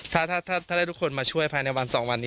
ถ้าได้ทุกคนมาช่วยภายในวัน๒วันนี้